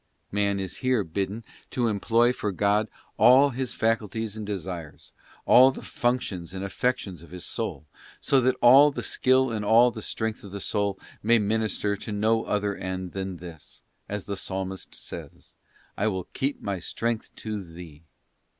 Man is here bidden to employ for God all his faculties and desires, all the fune tions and affections of his soul, so that all the skill and all the strength of the soul may minister to no other end than this, as the Psalmist says: 'I will keep my strength to Thee.